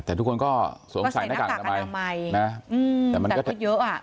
แต่ทุกคนก็สวมใส่หน้ากากอนามัยนะแต่มันก็เยอะอ่ะ